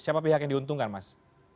siapa pihak yang diuntungkan mas